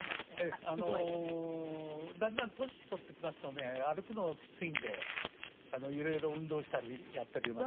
すごい。だんだん年取ってきますとね歩くのきついんで色々運動したりやっております。